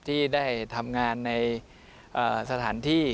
ที่ได้ทำงานในสถานที่